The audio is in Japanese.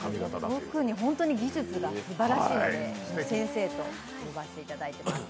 特に本当に技術がすばらしいので先生と呼ばせていただいています。